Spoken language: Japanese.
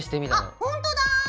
あっほんとだ！